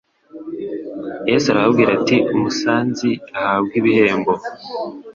Yesu arababwira ati: Umusanzi ahabwe ibihembo,